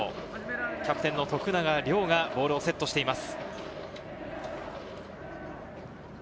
キャプテンの徳永涼がボールをセットしています。